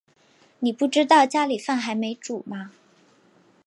妳不知道家里饭还没煮吗